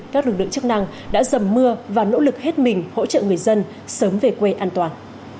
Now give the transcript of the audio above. các lực lượng chức năng đã dầm mưa và nỗ lực hết mình hỗ trợ người dân sớm về quê an toàn